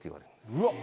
うわっ！